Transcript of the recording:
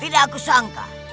tidak aku sangka